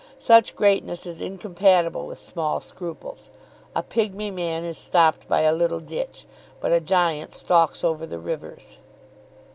Such greatness is incompatible with small scruples. A pigmy man is stopped by a little ditch, but a giant stalks over the rivers."